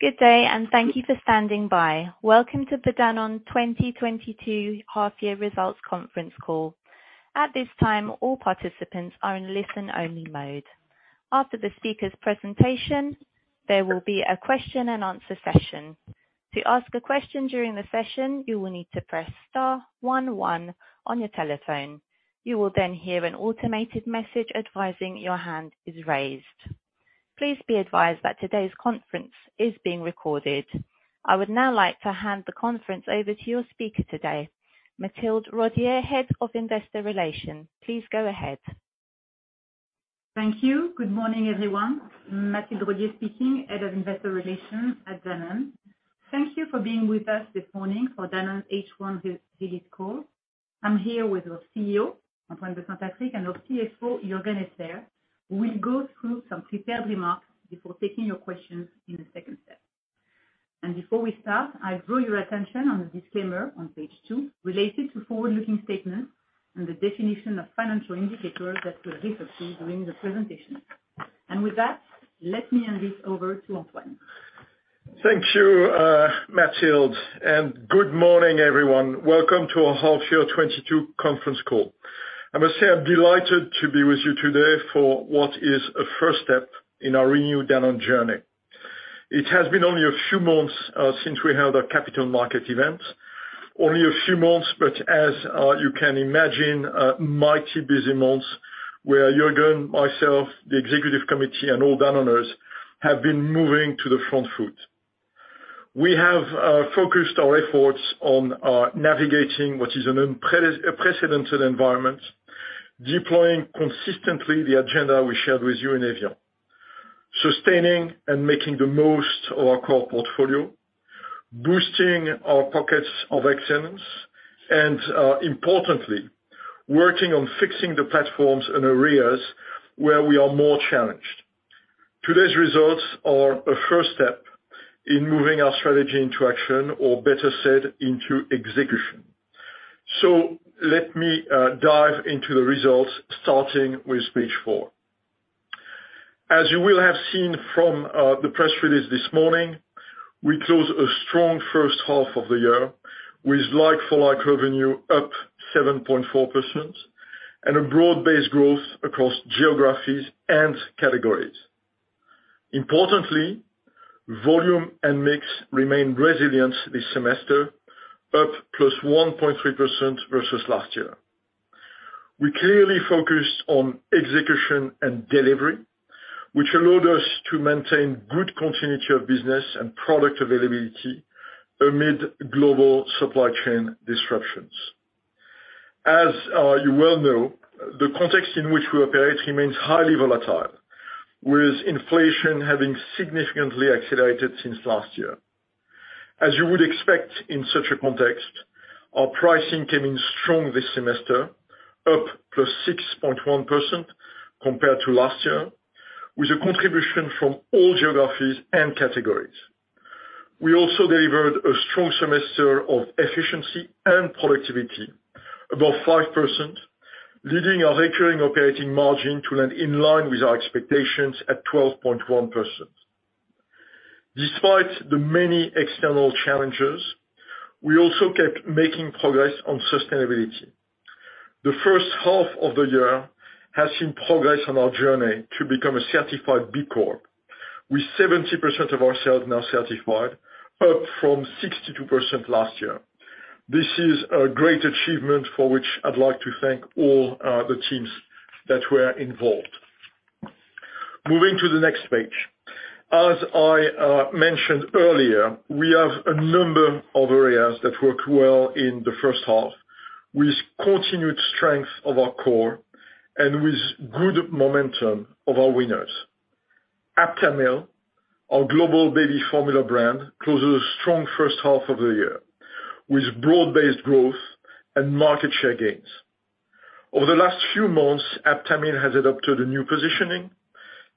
Good day, and thank you for standing by. Welcome to the Danone 2022 Half Year Results Conference Call. At this time, all participants are in listen-only mode. After the speaker's presentation, there will be a question and answer session. To ask a question during the session, you will need to press star one one on your telephone. You will then hear an automated message advising your hand is raised. Please be advised that today's conference is being recorded. I would now like to hand the conference over to your speaker today, Mathilde Rodié, Head of Investor Relations. Please go ahead. Thank you. Good morning, everyone. Mathilde Rodié speaking, Head of Investor Relations at Danone. Thank you for being with us this morning for Danone H1 results call. I'm here with our Chief Executive Officer, Antoine de Saint-Affrique, and our Chief Financial Officer, Juergen Esser. We'll go through some prepared remarks before taking your questions in the second step. Before we start, I draw your attention on the disclaimer on page two related to forward-looking statements and the definition of financial indicators that we'll refer to during the presentation. With that, let me hand this over to Antoine. Thank you, Mathilde, and good morning, everyone. Welcome to our Half Year 2022 Conference Call. I must say, I'm delighted to be with you today for what is a first step in our renewed Danone journey. It has been only a few months since we held our capital market event. Only a few months, but as you can imagine, a mighty busy months, where Juergen, myself, the executive committee, and all Danoners have been moving to the front foot. We have focused our efforts on navigating what is an unprecedented environment, deploying consistently the agenda we shared with you in evian. Sustaining and making the most of our core portfolio, boosting our pockets of excellence, and importantly, working on fixing the platforms and areas where we are more challenged. Today's results are a first step in moving our strategy into action, or better said, into execution. Let me dive into the results, starting with page four. As you will have seen from the press release this morning, we close a strong first half of the year with like-for-like revenue up 7.4% and a broad-based growth across geographies and categories. Importantly, volume and mix remained resilient this semester, up +1.3% versus last year. We clearly focused on execution and delivery, which allowed us to maintain good continuity of business and product availability amid global supply chain disruptions. As you well know, the context in which we operate remains highly volatile, with inflation having significantly accelerated since last year. As you would expect in such a context, our pricing came in strong this semester, up +6.1% compared to last year, with a contribution from all geographies and categories. We also delivered a strong semester of efficiency and productivity, above 5%, leading our recurring operating margin to land in line with our expectations at 12.1%. Despite the many external challenges, we also kept making progress on sustainability. The first half of the year has seen progress on our journey to become a certified B Corp, with 70% of our sales now certified, up from 62% last year. This is a great achievement for which I'd like to thank all the teams that were involved. Moving to the next page. As I mentioned earlier, we have a number of areas that worked well in the first half, with continued strength of our core and with good momentum of our winners. Aptamil, our global baby formula brand, closes a strong first half of the year, with broad-based growth and market share gains. Over the last few months, Aptamil has adopted a new positioning,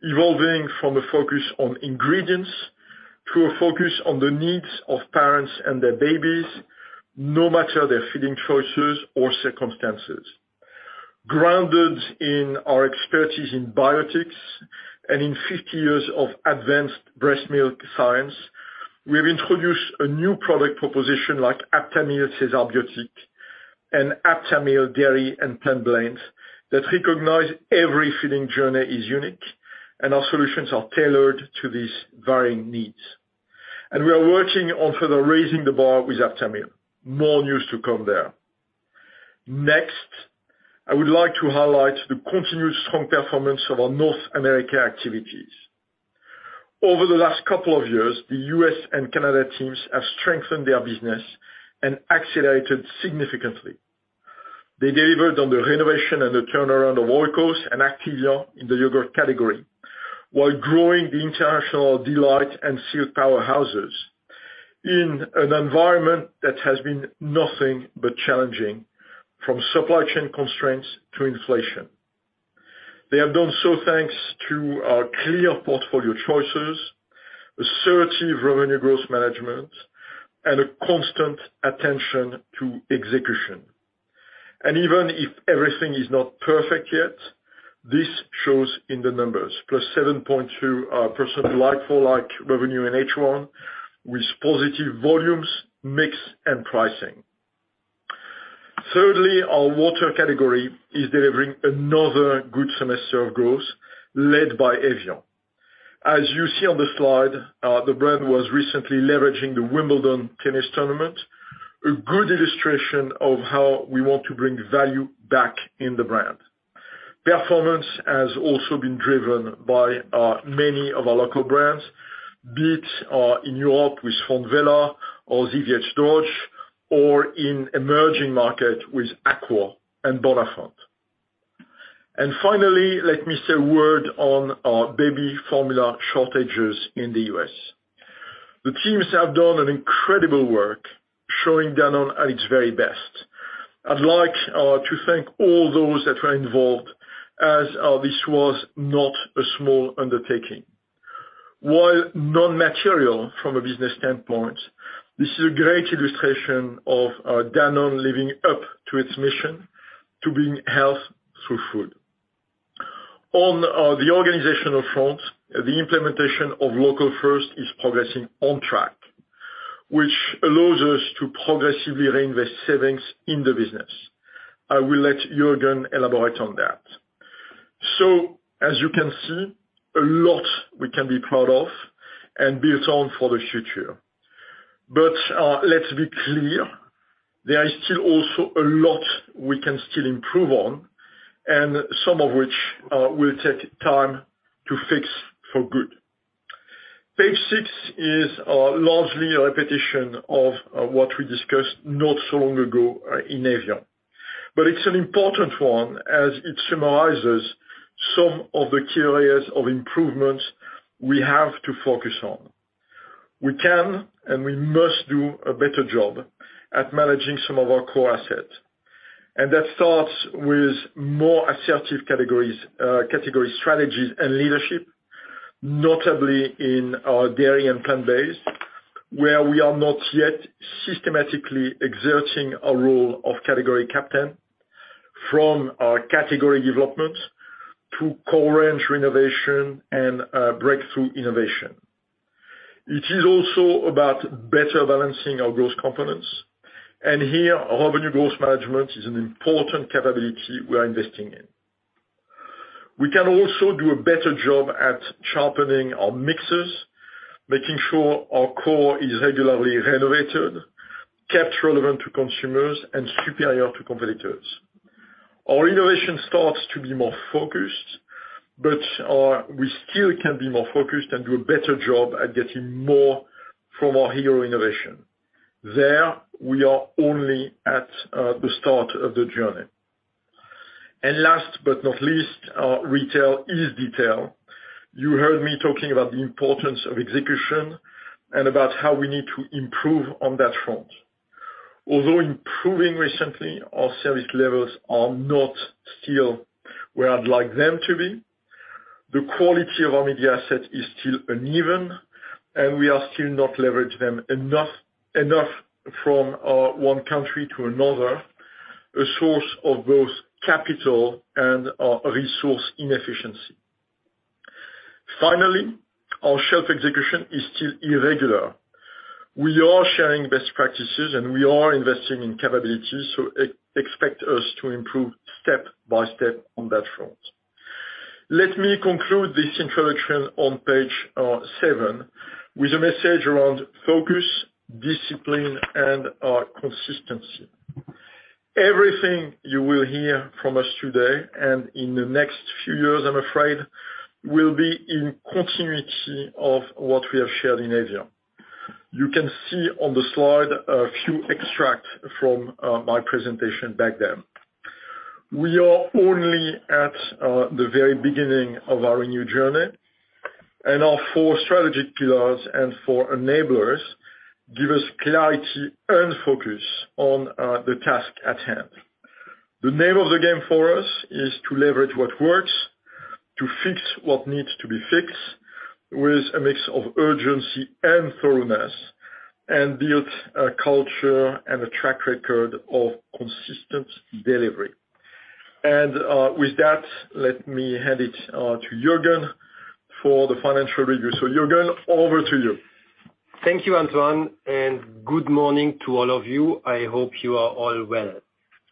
evolving from a focus on ingredients to a focus on the needs of parents and their babies, no matter their feeding choices or circumstances. Grounded in our expertise in biotics and in 50 years of advanced breast milk science, we've introduced a new product proposition like Aptamil Essensis and Aptamil Dairy & Plant Blends that recognize every feeding journey is unique, and our solutions are tailored to these varying needs. We are working on further raising the bar with Aptamil. More news to come there. Next, I would like to highlight the continued strong performance of our North America activities. Over the last couple of years, the U.S. and Canada teams have strengthened their business and accelerated significantly. They delivered on the renovation and the turnaround of Oikos and Activia in the yogurt category while growing the International Delight and Silk powerhouses in an environment that has been nothing but challenging, from supply chain constraints to inflation. They have done so thanks to our clear portfolio choices, assertive Revenue Growth Management and a constant attention to execution. Even if everything is not perfect yet, this shows in the numbers, +7.2% like-for-like revenue in H1, with positive volumes, mix, and pricing. Thirdly, our water category is delivering another good semester of growth led by evian. As you see on the slide, the brand was recently leveraging the Wimbledon tennis tournament, a good illustration of how we want to bring value back in the brand. Performance has also been driven by many of our local brands, be it in Europe with Volvic or Żywiec Zdrój, or in emerging market with Aqua and Bonafont. Finally, let me say a word on our baby formula shortages in the U.S. The teams have done an incredible work showing Danone at its very best. I'd like to thank all those that were involved, as this was not a small undertaking. While non-material from a business standpoint, this is a great illustration of Danone living up to its mission to bring health through food. On the organizational front, the implementation of Local First is progressing on track, which allows us to progressively reinvest savings in the business. I will let Juergen elaborate on that. As you can see, a lot we can be proud of and build on for the future. Let's be clear, there is still also a lot we can still improve on, and some of which will take time to fix for good. Page six is largely a repetition of what we discussed not so long ago in evian, but it's an important one as it summarizes some of the key areas of improvements we have to focus on. We can and we must do a better job at managing some of our core assets. That starts with more assertive categories, category strategies and leadership, notably in our dairy and plant-based, where we are not yet systematically exerting a role of category captain from our category developments to co-range renovation and breakthrough innovation. It is also about better balancing our growth components. Here, our Revenue Growth Management is an important capability we are investing in. We can also do a better job at sharpening our mixes, making sure our core is regularly renovated, kept relevant to consumers, and superior to competitors. Our innovation starts to be more focused, but we still can be more focused and do a better job at getting more from our hero innovation. There, we are only at the start of the journey. Last but not least, retail is detail. You heard me talking about the importance of execution and about how we need to improve on that front. Although improving recently, our service levels are not still where I'd like them to be. The quality of our media asset is still uneven, and we are still not leverage them enough from one country to another, a source of both capital and resource inefficiency. Finally, our shelf execution is still irregular. We are sharing best practices, and we are investing in capabilities, so expect us to improve step by step on that front. Let me conclude this introduction on page seven with a message around focus, discipline, and consistency. Everything you will hear from us today and in the next few years, I'm afraid, will be in continuity of what we have shared in evian. You can see on the slide a few extracts from my presentation back then. We are only at the very beginning of our new journey, and our four strategic pillars and four enablers give us clarity and focus on the task at hand. The name of the game for us is to leverage what works, to fix what needs to be fixed with a mix of urgency and thoroughness, and build a culture and a track record of consistent delivery. With that, let me hand it to Juergen for the financial review. Juergen, over to you. Thank you, Antoine, and good morning to all of you. I hope you are all well.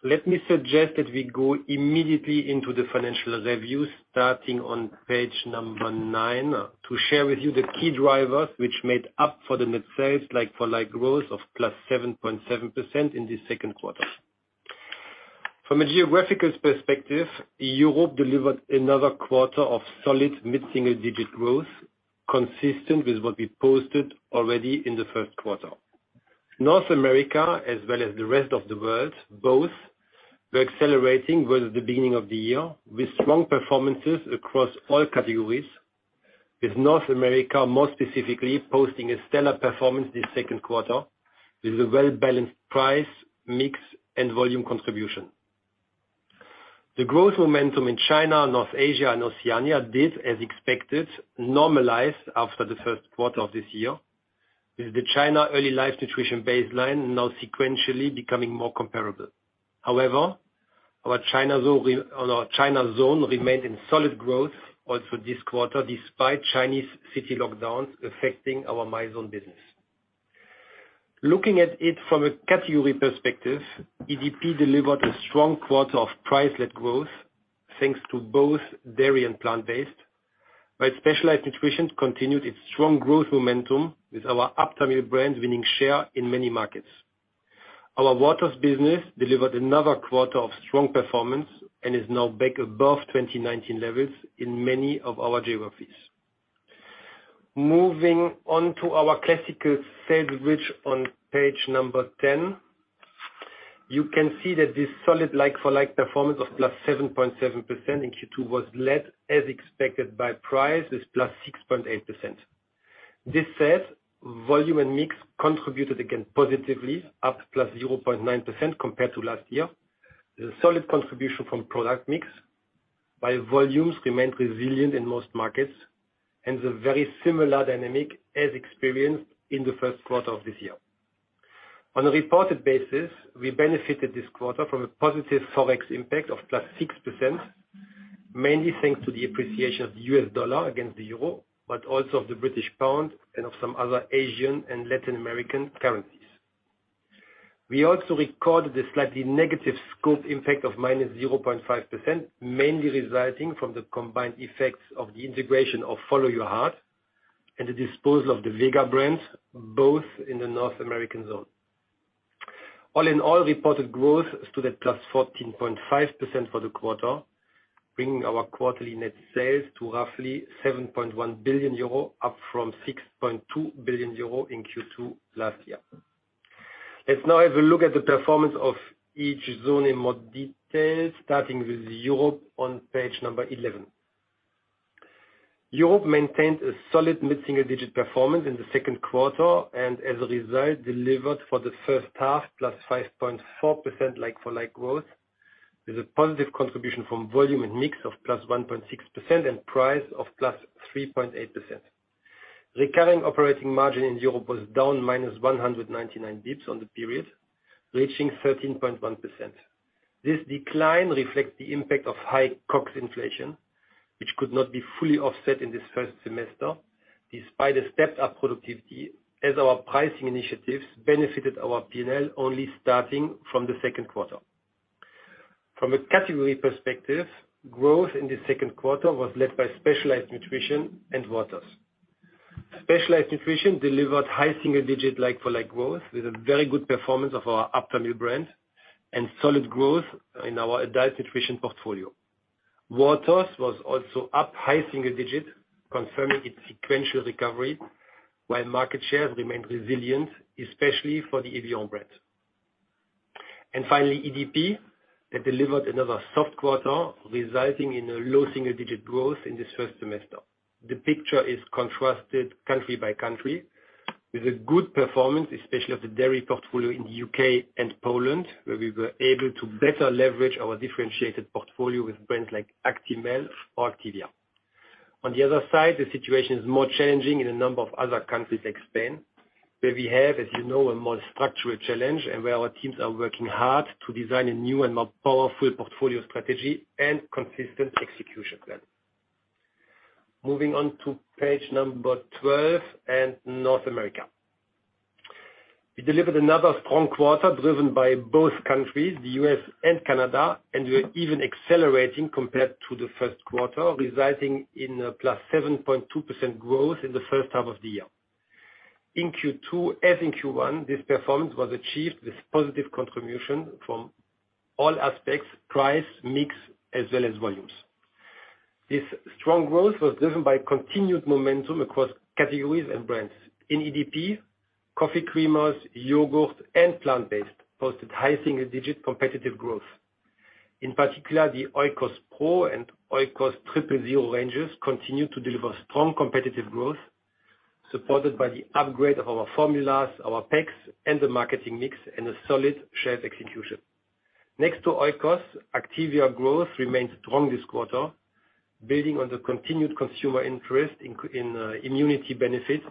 Let me suggest that we go immediately into the financial review starting on page nine to share with you the key drivers which made up for the net sales like-for-like growth of +7.7% in the second quarter. From a geographical perspective, Europe delivered another quarter of solid mid-single-digit growth consistent with what we posted already in the first quarter. North America as well as the rest of the world both were accelerating growth at the beginning of the year with strong performances across all categories, with North America more specifically posting a stellar performance this second quarter with a well-balanced price, mix, and volume contribution. The growth momentum in China, North Asia, and Oceania did, as expected, normalize after the first quarter of this year, with the China early life nutrition baseline now sequentially becoming more comparable. However, our China zone remained in solid growth also this quarter, despite Chinese city lockdowns affecting our Mizone business. Looking at it from a category perspective, EDP delivered a strong quarter of price-led growth thanks to both dairy and plant-based, while Specialized Nutrition continued its strong growth momentum with our Aptamil brands winning share in many markets. Our Waters business delivered another quarter of strong performance and is now back above 2019 levels in many of our geographies. Moving on to our classic sales bridge on page 10, you can see that this solid like-for-like performance of +7.7% in Q2 was led, as expected, by price, with +6.8%. That said, volume and mix contributed again positively, up +0.9% compared to last year. The solid contribution from product mix by volumes remained resilient in most markets, and the very similar dynamic as experienced in the first quarter of this year. On a reported basis, we benefited this quarter from a positive ForEx impact of +6%, mainly thanks to the appreciation of the US dollar against the euro, but also of the British pound and of some other Asian and Latin American currencies. We also recorded a slightly negative scope impact of -0.5%, mainly resulting from the combined effects of the integration of Follow Your Heart and the disposal of the Vega brand, both in the North American zone. All in all, reported growth stood at +14.5% for the quarter, bringing our quarterly net sales to roughly 7.1 billion euro, up from 6.2 billion euro in Q2 last year. Let's now have a look at the performance of each zone in more detail, starting with Europe on page 11. Europe maintained a solid mid-single-digit performance in the second quarter and as a result delivered for the first half +5.4% like-for-like growth with a positive contribution from volume and mix of +1.6% and price of +3.8%. Recurring operating margin in Europe was down minus 199 basis points on the period, reaching 13.1%. This decline reflects the impact of high COGS inflation, which could not be fully offset in this first semester despite a stepped up productivity as our pricing initiatives benefited our P&L only starting from the second quarter. From a category perspective, growth in the second quarter was led by Specialized Nutrition and Waters. Specialized Nutrition delivered high single digit like for like growth with a very good performance of our Aptamil brand and solid growth in our adult nutrition portfolio. Waters was also up high single digit, confirming its sequential recovery, while market share remained resilient, especially for the evian brand. Finally, EDP, that delivered another soft quarter, resulting in a low single-digit growth in this first semester. The picture is contrasted country by country with a good performance, especially of the dairy portfolio in the U.K. and Poland, where we were able to better leverage our differentiated portfolio with brands like Actimel or Activia. On the other side, the situation is more challenging in a number of other countries like Spain, where we have, as you know, a more structural challenge and where our teams are working hard to design a new and more powerful portfolio strategy and consistent execution plan. Moving on to page 12 and North America. We delivered another strong quarter driven by both countries, the U.S. and Canada, and we are even accelerating compared to the first quarter, resulting in a +7.2% growth in the first half of the year. In Q2, as in Q1, this performance was achieved with positive contribution from all aspects, price, mix, as well as volumes. This strong growth was driven by continued momentum across categories and brands. In EDP, coffee creamers, yogurt, and plant-based posted high single-digit competitive growth. In particular, the Oikos Pro and Oikos Triple Zero ranges continued to deliver strong competitive growth, supported by the upgrade of our formulas our packs, and the marketing mix, and a solid shelf execution. Next to Oikos, Activia growth remained strong this quarter, building on the continued consumer interest in immunity benefits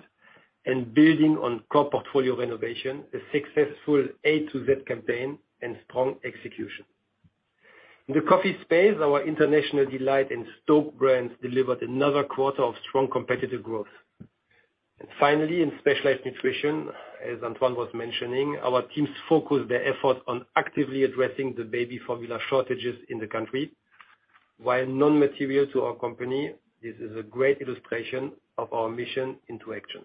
and building on core portfolio renovation, a successful A to Z campaign, and strong execution. In the coffee space, our International Delight and STōK brands delivered another quarter of strong competitive growth. Finally, in Specialized Nutrition, as Antoine was mentioning, our teams focused their effort on actively addressing the baby formula shortages in the country. While non-material to our company, this is a great illustration of our mission into action.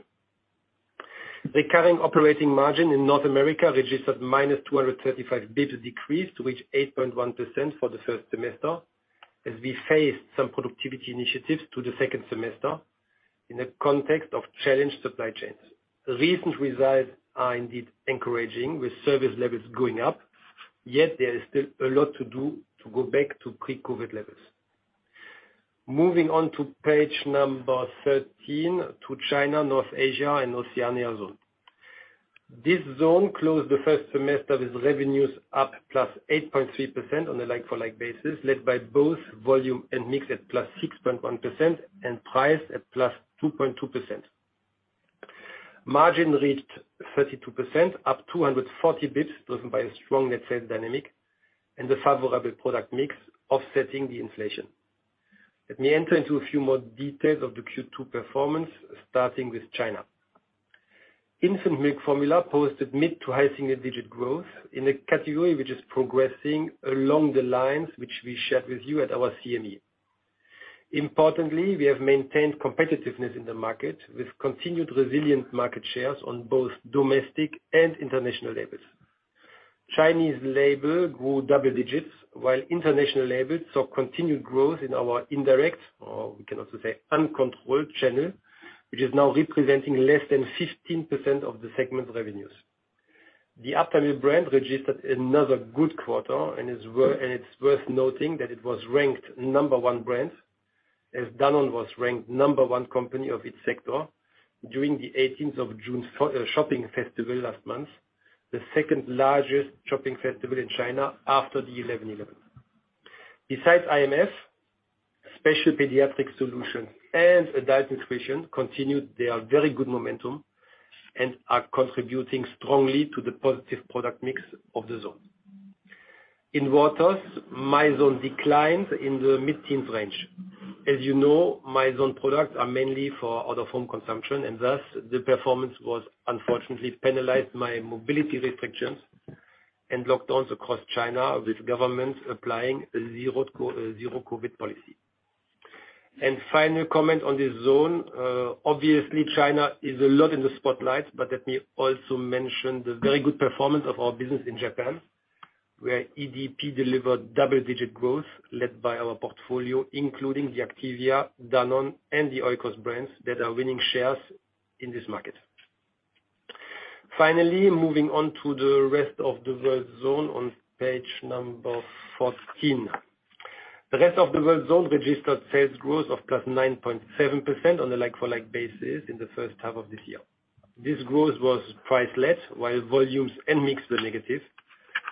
The current operating margin in North America registered minus 235 basis points decrease to reach 8.1% for the first semester as we faced some productivity initiatives to the second semester in the context of challenged supply chains. Recent results are indeed encouraging, with service levels going up, yet there is still a lot to do to go back to pre-COVID levels. Moving on to page 13, to China, North Asia and Oceania zone. This zone closed the first semester with revenues up +8.3% on a like-for-like basis, led by both volume and mix at +6.1% and price at +2.2%. Margin reached 32%, up 240 basis points, driven by a strong net sales dynamic and the favorable product mix offsetting the inflation. Let me enter into a few more details of the Q2 performance, starting with China. Infant milk formula posted mid- to high-single-digit growth in a category which is progressing along the lines which we shared with you at our CME. Importantly, we have maintained competitiveness in the market with continued resilient market shares on both domestic and international labels. Chinese label grew double digits, while international labels saw continued growth in our indirect, or we can also say uncontrolled channel, which is now representing less than 15% of the segment's revenues. The Aptamil brand registered another good quarter, and it's worth noting that it was ranked number one brand, as Danone was ranked number one company of its sector during the June 18th shopping festival last month, the second largest shopping festival in China after the 11.11. Besides IMF, special pediatric solution and adult nutrition continued their very good momentum and are contributing strongly to the positive product mix of the zone. In waters, Mizone declined in the mid-teens range. As you know, Mizone products are mainly for out of home consumption, and thus, the performance was unfortunately penalized by mobility restrictions and lockdowns across China, with governments applying zero COVID policy. Final comment on this zone, obviously China is a lot in the spotlight, but let me also mention the very good performance of our business in Japan, where EDP delivered double-digit growth led by our portfolio, including the Activia, Danone and the Oikos brands that are winning shares in this market. Finally, moving on to the Rest of the World zone on page 14. The Rest of the World zone registered sales growth of +9.7% on a like-for-like basis in the first half of this year. This growth was price led, while volumes and mix were negative,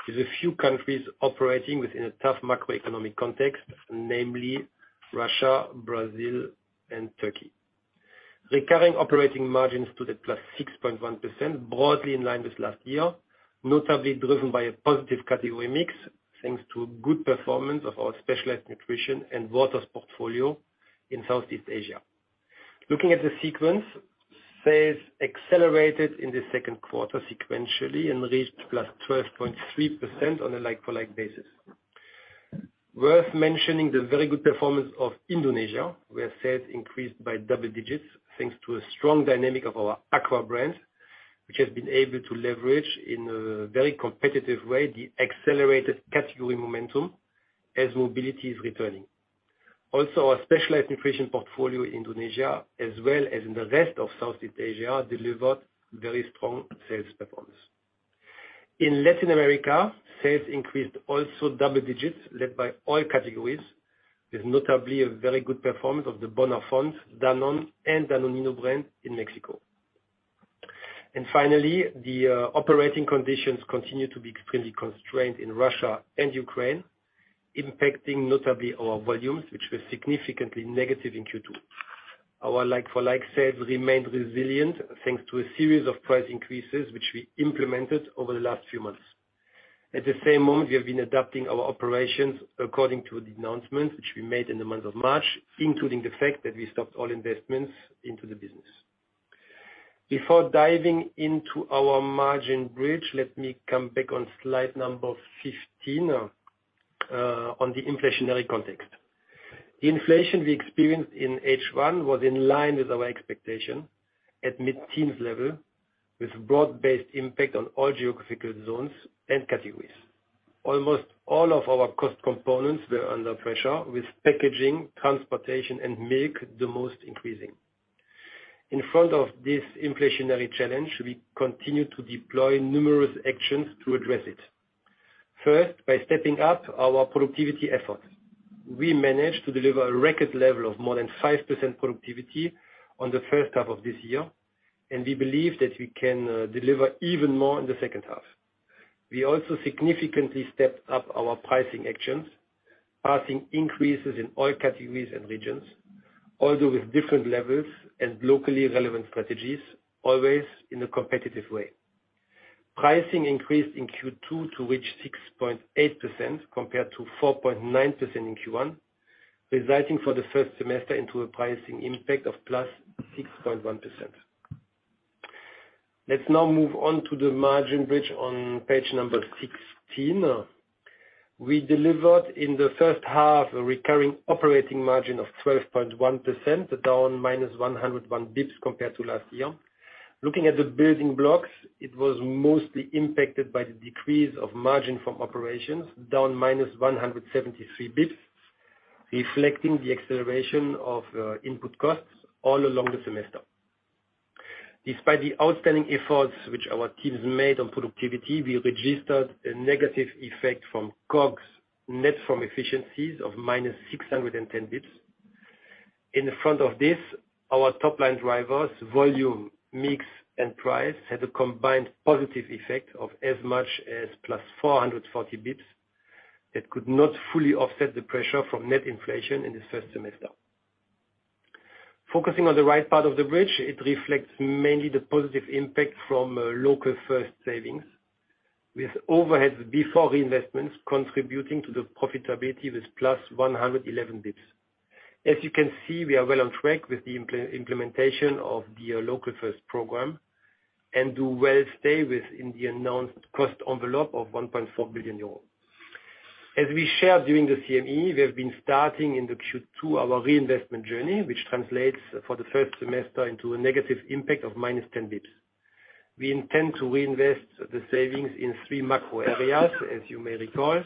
with a few countries operating within a tough macroeconomic context, namely Russia, Brazil and Turkey. Recovering operating margins to the +6.1%, broadly in line with last year, notably driven by a positive category mix, thanks to good performance of our Specialized Nutrition and Waters portfolio in Southeast Asia. Looking at the sequence, sales accelerated in the second quarter sequentially and reached +12.3% on a like-for-like basis. Worth mentioning the very good performance of Indonesia, where sales increased by double digits, thanks to a strong dynamic of our Aqua brand, which has been able to leverage in a very competitive way the accelerated category momentum as mobility is returning. Also, our Specialized Nutrition portfolio Indonesia, as well as in the rest of Southeast Asia, delivered very strong sales performance. In Latin America, sales increased also double digits, led by dairy categories, with notably a very good performance of the Bonafont, Danone and Danonino brand in Mexico. Finally, the operating conditions continue to be extremely constrained in Russia and Ukraine, impacting notably our volumes, which were significantly negative in Q2. Our like-for-like sales remained resilient, thanks to a series of price increases which we implemented over the last few months. At the same moment, we have been adapting our operations according to the announcement which we made in the month of March, including the fact that we stopped all investments into the business. Before diving into our margin bridge, let me come back on slide number 15 on the inflationary context. The inflation we experienced in H1 was in line with our expectation at mid-teens level, with broad-based impact on all geographical zones and categories. Almost all of our cost components were under pressure, with packaging, transportation and milk the most increasing. In front of this inflationary challenge, we continued to deploy numerous actions to address it. First, by stepping up our productivity efforts. We managed to deliver a record level of more than 5% productivity on the first half of this year, and we believe that we can deliver even more in the second half. We also significantly stepped up our pricing actions, passing increases in all categories and regions, although with different levels and locally relevant strategies, always in a competitive way. Pricing increased in Q2 to reach 6.8% compared to 4.9% in Q1, resulting for the first semester into a pricing impact of +6.1%. Let's now move on to the margin bridge on page 16. We delivered in the first half a recurring operating margin of 12.1%, down -101 basis points compared to last year. Looking at the building blocks, it was mostly impacted by the decrease of margin from operations, down -173 basis points, reflecting the acceleration of input costs all along the semester. Despite the outstanding efforts which our teams made on productivity, we registered a negative effect from COGS net from efficiencies of -610 basis points. In front of this, our top line drivers, volume, mix, and price, had a combined positive effect of as much as +440 basis points that could not fully offset the pressure from net inflation in this first semester. Focusing on the right part of the bridge, it reflects mainly the positive impact from Local First savings, with overheads before investments contributing to the profitability with +111 basis points. As you can see, we are well on track with the implementation of the Local First program and we'll stay within the announced cost envelope of 1.4 billion euros. As we shared during the CME, we have been starting in the Q2 our reinvestment journey which translates for the first semester into a negative impact of -10 basis points. We intend to reinvest the savings in three macro areas, as you may recall,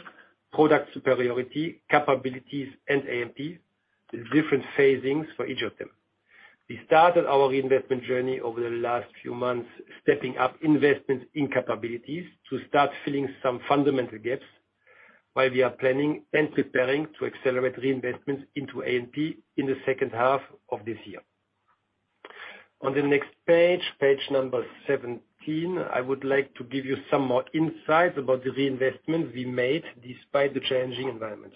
product superiority, capabilities, and A&P, with different phasings for each of them. We started our reinvestment journey over the last few months, stepping up investments in capabilities to start filling some fundamental gaps while we are planning and preparing to accelerate reinvestments into A&P in the second half of this year. On the next page, page number 17, I would like to give you some more insight about the reinvestment we made despite the changing environment.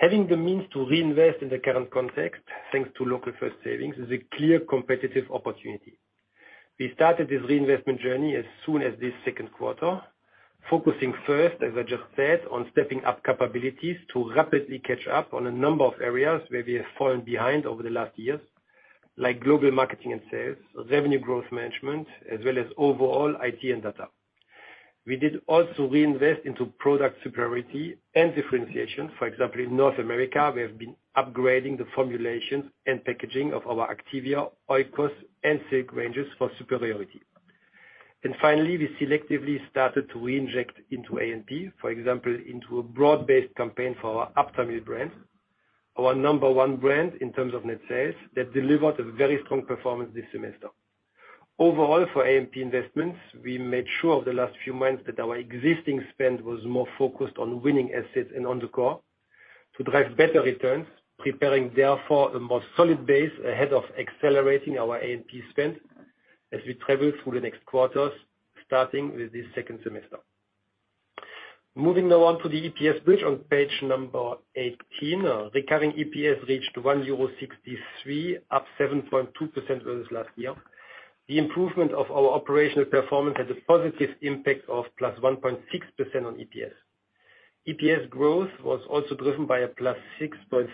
Having the means to reinvest in the current context, thanks to Local First savings, is a clear competitive opportunity. We started this reinvestment journey as soon as this second quarter, focusing first, as I just said, on stepping up capabilities to rapidly catch up on a number of areas where we have fallen behind over the last years, like global marketing and sales, Revenue Growth Management, as well as overall IT and data. We did also reinvest into product superiority and differentiation. For example, in North America, we have been upgrading the formulation and packaging of our Activia, Oikos, and Silk ranges for superiority. Finally, we selectively started to reinject into A&P, for example, into a broad-based campaign for our Aptamil brand, our number one brand in terms of net sales that delivered a very strong performance this semester. Overall, for A&P investments, we made sure over the last few months that our existing spend was more focused on winning assets and on the core to drive better returns, preparing therefore a more solid base ahead of accelerating our A&P spend as we travel through the next quarters, starting with this second semester. Moving now on to the EPS bridge on page 18. Recurring EPS reached 1.63 euro, up 7.2% versus last year. The improvement of our operational performance had a positive impact of +1.6% on EPS. EPS growth was also driven by a +6.3%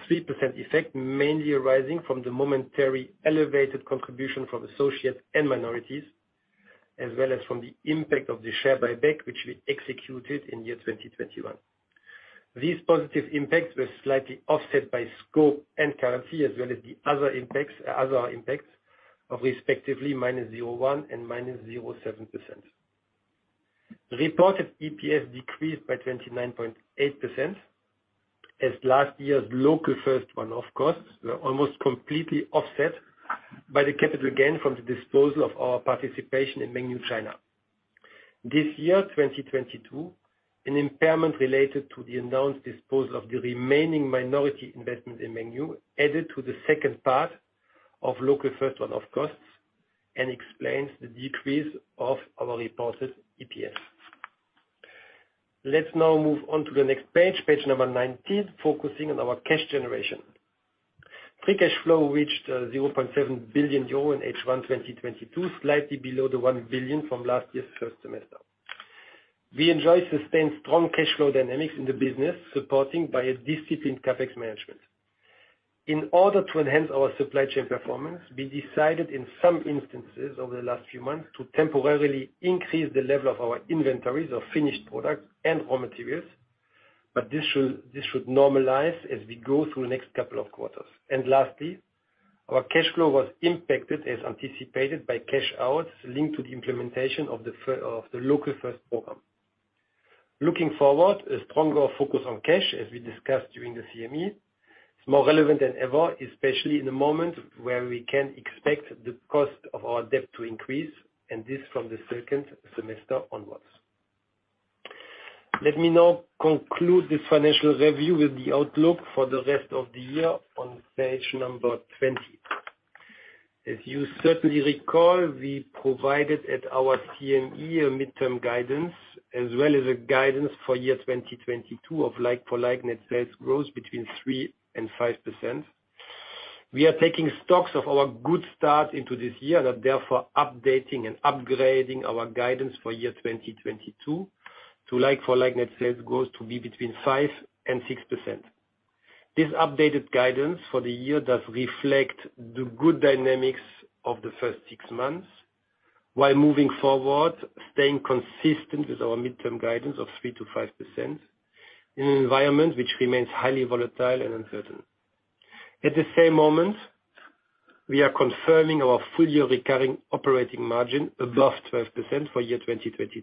effect, mainly arising from the momentary elevated contribution from associates and minorities, as well as from the impact of the share buyback which we executed in 2021. These positive impacts were slightly offset by scope and currency as well as the other impacts of respectively -0.1% and -0.7%. Reported EPS decreased by 29.8% as last year's Local First one-off costs were almost completely offset by the capital gain from the disposal of our participation in Mengniu China. This year, 2022, an impairment related to the announced disposal of the remaining minority investment in Mengniu added to the second part of Local First one-off costs and explains the decrease of our reported EPS. Let's now move on to the next page 19, focusing on our cash generation. Free cash flow reached 0.7 billion euro in H1 2022, slightly below the 1 billion from last year's first semester. We enjoy sustained strong cash flow dynamics in the business, supported by a disciplined CapEx management. In order to enhance our supply chain performance, we decided in some instances over the last few months to temporarily increase the level of our inventories of finished products and raw materials, but this should normalize as we go through the next couple of quarters. Lastly, our cash flow was impacted as anticipated by cash outs linked to the implementation of the Local First program. Looking forward, a stronger focus on cash as we discussed during the CME is more relevant than ever, especially in the moment where we can expect the cost of our debt to increase, and this from the second semester onwards. Let me now conclude this financial review with the outlook for the rest of the year on page number 20. As you certainly recall, we provided at our CME a midterm guidance as well as a guidance for year 2022 of like-for-like net sales growth between 3% and 5%. We are taking stock of our good start into this year and therefore updating and upgrading our guidance for year 2022 to like-for-like net sales growth to be between 5% and 6%. This updated guidance for the year does reflect the good dynamics of the first six months, while moving forward, staying consistent with our midterm guidance of 3%-5% in an environment which remains highly volatile and uncertain. At the same moment, we are confirming our full-year recurring operating margin above 12% for year 2022.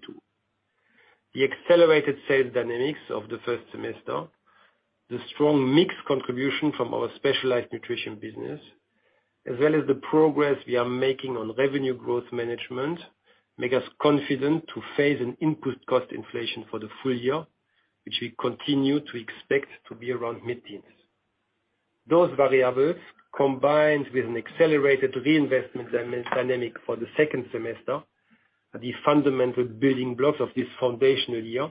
The accelerated sales dynamics of the first semester, the strong mix contribution from our Specialized Nutrition business, as well as the progress we are making on Revenue Growth Management, make us confident to face an input cost inflation for the full year, which we continue to expect to be around mid-teens. Those variables, combined with an accelerated reinvestment dynamic for the second semester, are the fundamental building blocks of this foundational year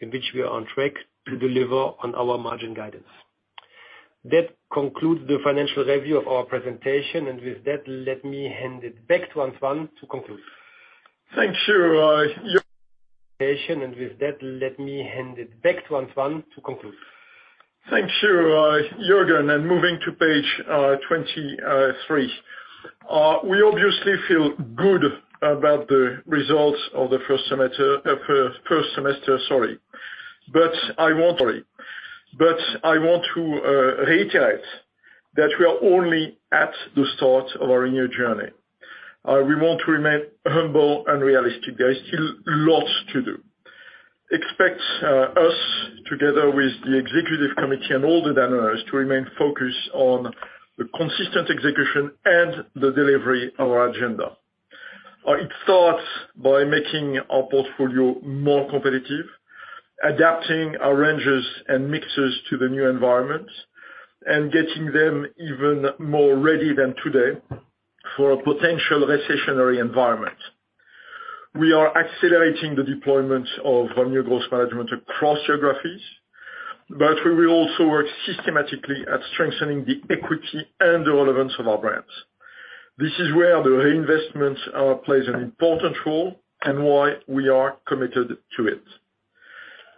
in which we are on track to deliver on our margin guidance. That concludes the financial review of our presentation, and with that, let me hand it back to Antoine to conclude. Thank you, Juergen, and moving to page 23. We obviously feel good about the results of the first semester, sorry. I want to reiterate that we are only at the start of our new journey. We want to remain humble and realistic. There is still lots to do. Expect us, together with the executive committee and all the Danoneers, to remain focused on the consistent execution and the delivery of our agenda. It starts by making our portfolio more competitive, adapting our ranges and mixes to the new environment, and getting them even more ready than today for a potential recessionary environment. We are accelerating the deployment of our new growth management across geographies, but we will also work systematically at strengthening the equity and the relevance of our brands. This is where the reinvestments plays an important role and why we are committed to it.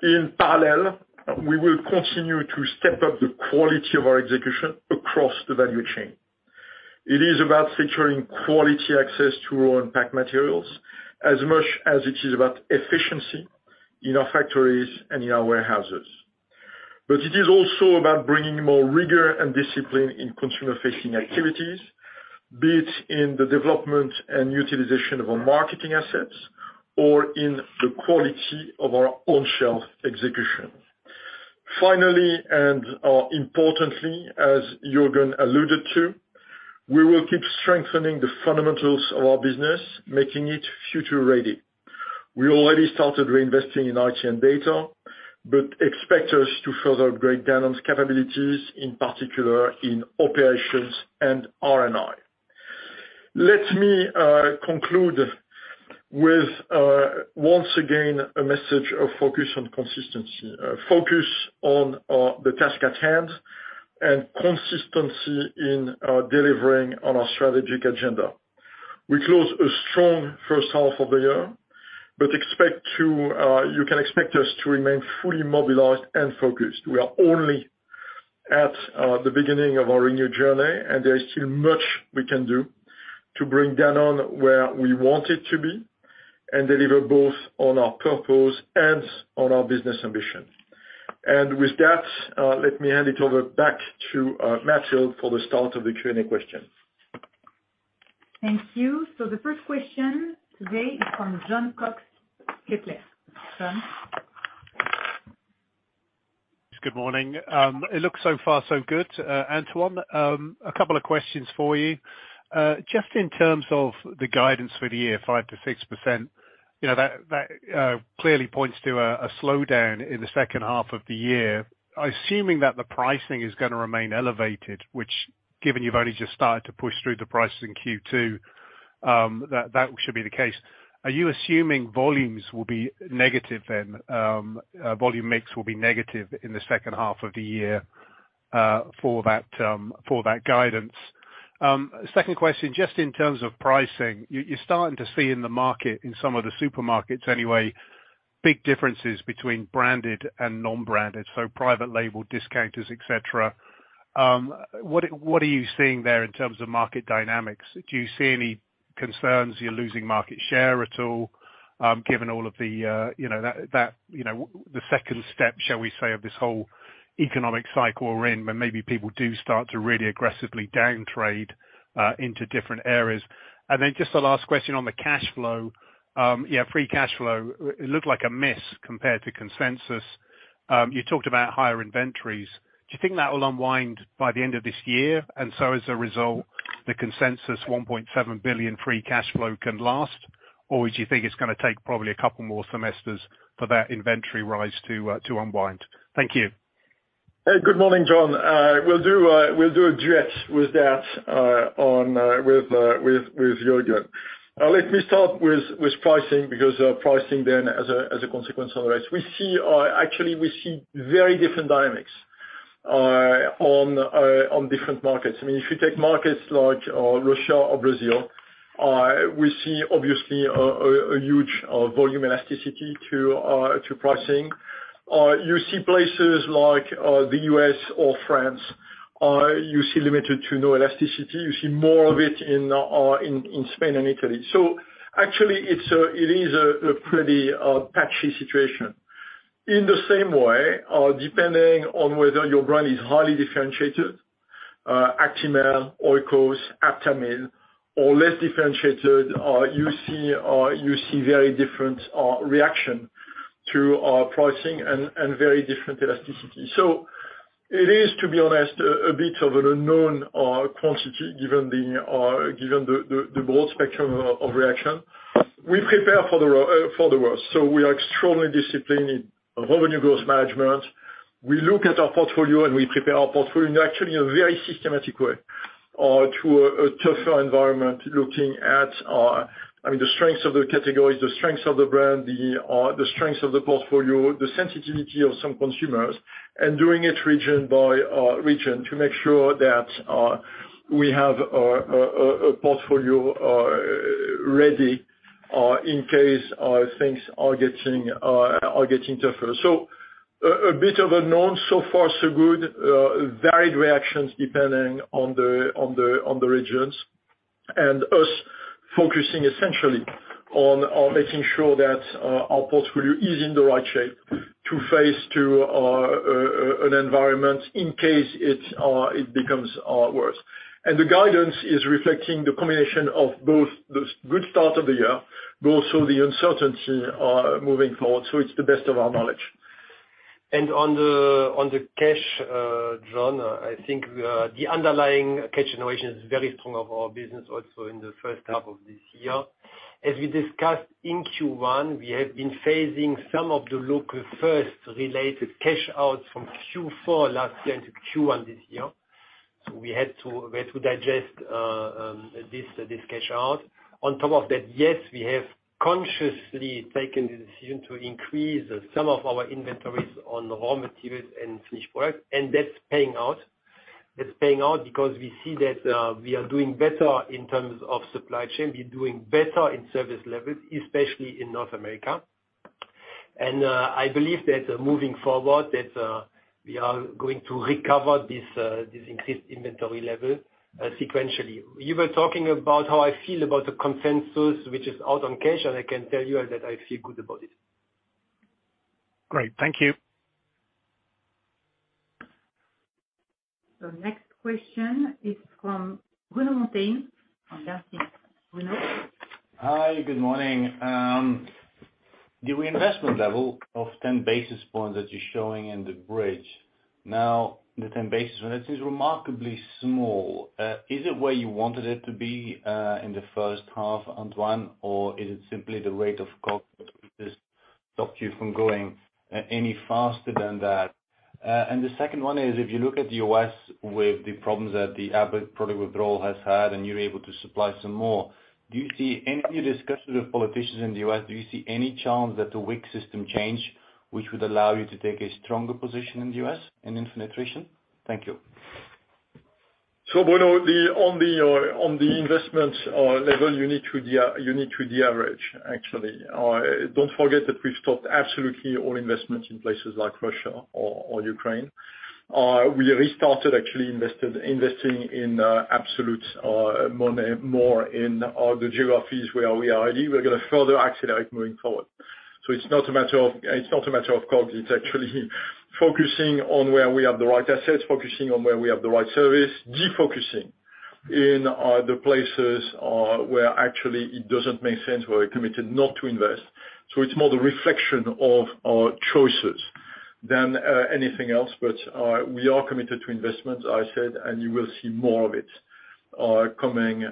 In parallel, we will continue to step up the quality of our execution across the value chain. It is about securing quality access to raw and packaged materials as much as it is about efficiency in our factories and in our warehouses. It is also about bringing more rigor and discipline in consumer-facing activities, be it in the development and utilization of our marketing assets or in the quality of our own shelf execution. Finally, and, importantly, as Juergen alluded to we will keep strengthening the fundamentals of our business, making it future-ready. We already started reinvesting in IT and data, but expect us to further upgrade Danone's capabilities, in particular in operations and R&I. Let me conclude with once again, a message of focus on consistency. Focus on the task at hand and consistency in delivering on our strategic agenda. We close a strong first half of the year. You can expect us to remain fully mobilized and focused. We are only at the beginning of our renewed journey, and there is still much we can do to bring Danone where we want it to be and deliver both on our purpose and on our business ambition. With that, let me hand it over back to Mathilde Rodié for the start of the Q&A questions. Thank you. The first question today is from Jon Cox, Kepler. Jon? Good morning. It looks so far so good. Antoine, a couple of questions for you. Just in terms of the guidance for the year, 5%-6%, you know, that clearly points to a slowdown in the second half of the year. Assuming that the pricing is gonna remain elevated, which given you've only just started to push through the prices in Q2, that should be the case. Are you assuming volumes will be negative then, volume mix will be negative in the second half of the year, for that guidance? Second question, just in terms of pricing, you're starting to see in the market, in some of the supermarkets anyway, big differences between branded and non-branded, so private label, discounters, et cetera. What are you seeing there in terms of market dynamics? Do you see any concerns you're losing market share at all, given all of the, you know, that you know, the second step, shall we say, of this whole economic cycle we're in, where maybe people do start to really aggressively downtrade into different areas? Just the last question on the cash flow, yeah, free cash flow, it looked like a miss compared to consensus. You talked about higher inventories. Do you think that will unwind by the end of this year, and so as a result, the consensus 1.7 billion free cash flow can last? Or do you think it's gonna take probably a couple more semesters for that inventory rise to unwind? Thank you. Hey, good morning, Jon. We'll do a duet with that on with Juergen. Let me start with pricing because pricing then as a consequence of the rest. We actually see very different dynamics on different markets. I mean, if you take markets like Russia or Brazil, we see obviously a huge volume elasticity to pricing. You see places like the U.S. or France, you see limited to no elasticity. You see more of it in Spain and Italy. Actually it's a pretty patchy situation. In the same way, depending on whether your brand is highly differentiated, Actimel, Oikos, Aptamil or less differentiated, you see very different reaction to our pricing and very different elasticity. It is, to be honest, a bit of an unknown quantity given the broad spectrum of reaction. We prepare for the worst. We are extremely disciplined in Revenue Growth Management. We look at our portfolio, and we prepare our portfolio in actually a very systematic way to a tougher environment, looking at, I mean, the strengths of the categories, the strengths of the brand, the strengths of the portfolio, the sensitivity of some consumers, and doing it region by region to make sure that we have a portfolio ready in case things are getting tougher. A bit of a known, so far so good, varied reactions depending on the regions and us focusing essentially on making sure that our portfolio is in the right shape to face an environment in case it becomes worse. The guidance is reflecting the combination of both the good start of the year, but also the uncertainty moving forward, so it's the best of our knowledge. On the cash Jon, I think the underlying cash generation is very strong of our business also in the first half of this year. As we discussed in Q1, we have been phasing some of the Local First related cash outs from Q4 last year into Q1 this year, so we had to digest this cash out. On top of that, yes, we have consciously taken the decision to increase some of our inventories on raw materials and finished goods, and that's paying out. That's paying out because we see that we are doing better in terms of supply chain. We're doing better in service levels, especially in North America. I believe that moving forward that we are going to recover this increased inventory level sequentially. You were talking about how I feel about the consensus, which is out on cash, and I can tell you that I feel good about it. Great. Thank you. Next question is from Bruno Monteyne of Sanford C. Bernstein & Co. Bruno? Hi, good morning. The reinvestment level of 10 basis points that you're showing in the bridge, now the 10 basis points, it is remarkably small. Is it where you wanted it to be, in the first half, Antoine, or is it simply the rate of COGS that stopped you from going any faster than that? The second one is, if you look at the U.S. with the problems that the Abbott product withdrawal has had, and you're able to supply some more, do you see any discussion with politicians in the U.S., do you see any chance that the WIC system change, which would allow you to take a stronger position in the U.S. in infant nutrition? Thank you. Bruno, on the investments level, you need to de-average actually. Don't forget that we've stopped absolutely all investments in places like Russia or Ukraine. We restarted, actually investing more in the geographies where we are already. We're gonna further accelerate moving forward. It's not a matter of COGS, it's actually focusing on where we have the right assets, focusing on where we have the right to serve, defocusing in the places where actually it doesn't make sense, where we're committed not to invest. It's more the reflection of our choices than anything else. We are committed to investments, I said, and you will see more of it coming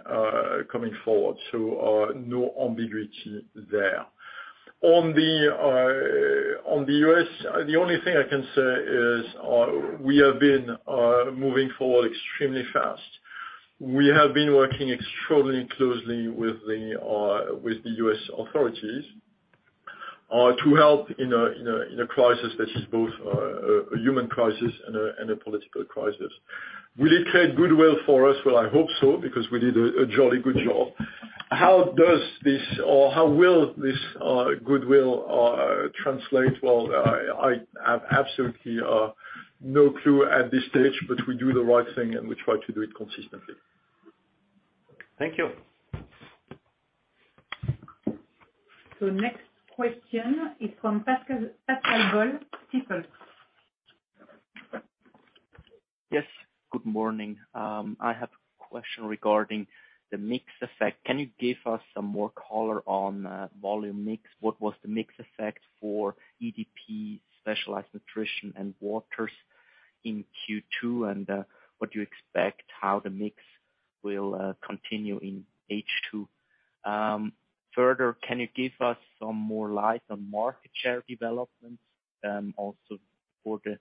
forward. No ambiguity there. On the U.S., the only thing I can say is, we have been moving forward extremely fast. We have been working extremely closely with the U.S. authorities to help in a crisis that is both a human crisis and a political crisis. Will it create goodwill for us? Well, I hope so, because we did a jolly good job. How does this or how will this goodwill translate? Well, I have absolutely no clue at this stage, but we do the right thing, and we try to do it consistently. Thank you. Next question is from Pascal Boll, Stifel. Yes. Good morning. I have a question regarding the mix effect. Can you give us some more color on volume mix? What was the mix effect for EDP, Specialized Nutrition and Waters in Q2? What do you expect how the mix will continue in H2? Further, can you give us some more light on market share developments, also for the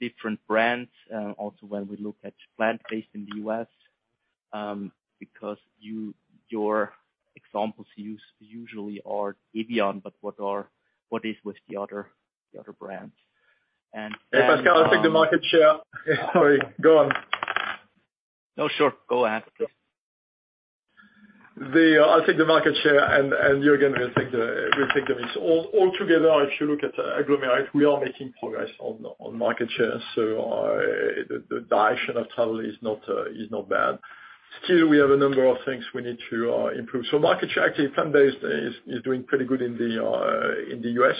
different brands, also when we look at plant-based in the U.S., because your examples you usually are evian, but what is with the other brands? Hey, Pascal, I'll take the market share. Sorry. Go on. No, sure. Go ahead, please. I'll take the market share and Juergen will take the mix. All together, if you look at aggregate, we are making progress on market share. The direction of travel is not bad. Still we have a number of things we need to improve. Market share, actually, plant-based is doing pretty good in the U.S.